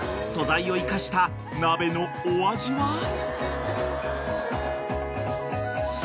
［素材を生かした鍋のお味は？］